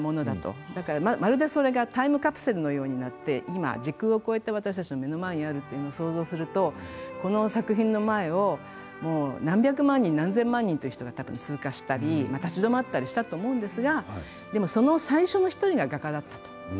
だからまるでそれがタイムカプセルのようになって今時空を超えて私たちの目の前にあるっていうのを想像するとこの作品の前を何百万人何千万人という人が通過したり立ち止まったりしたと思うんですがでもその最初の１人が画家だったと。